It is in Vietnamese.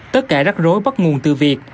tất cả rắc rối bắt nguồn từ việc